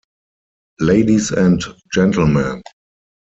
Ladies and Gentlemen.